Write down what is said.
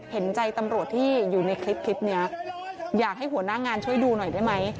เห็นใจตำรวจที่อยู่ในคลิปนี้อยากให้หัวหน้างานช่วยดูหน่อยได้ไหม